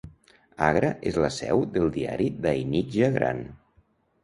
Agra és la seu del diari Dainik Jagran.